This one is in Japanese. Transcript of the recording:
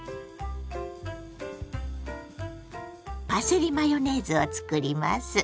パセリマヨネーズを作ります。